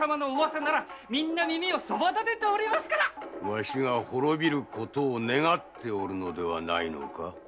わしが滅びることを願っておるのではないのか？